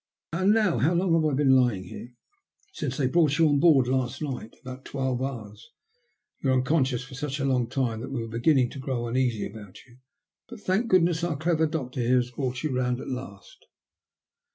And now, how long have I been lying here ?"" Since they brought you on board last night — about twelve hours. You were unconscious for such a long time that we were beginning to grow uneasy about you. But, thank goodness, our clever doctor here has brought you round at last."